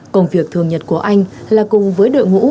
công việc thường nhật của anh là cùng với đội ngũ